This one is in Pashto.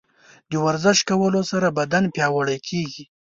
د ورزش کولو سره بدن پیاوړی کیږي.